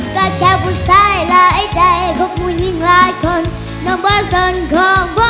น้องใบบัวร้อง